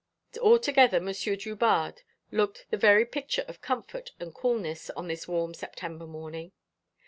Altogether, Monsieur Drubarde looked the very picture of comfort and coolness on this warm September morning.